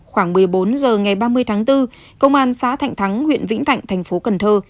khoảng một mươi bốn h ngày ba mươi tháng bốn công an xã thạnh thắng huyện vĩnh thạnh thành phố cần thơ